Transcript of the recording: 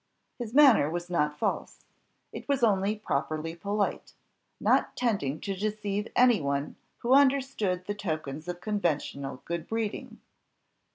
His manner was not false; it was only properly polite, not tending to deceive any one who understood the tokens of conventional good breeding.